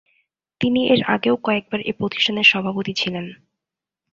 তিনি এর আগেও কয়েকবার এ প্রতিষ্ঠানের সভাপতি ছিলেন।